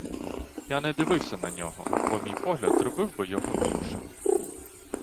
Я не дивився на нього, бо мій погляд зробив би його іншим.